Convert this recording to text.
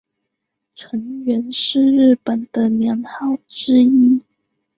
承元是日本的年号之一。